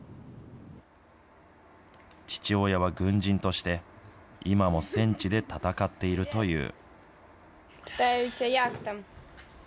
父親は軍人として、今も戦地で戦っているという。